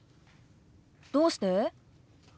どうして？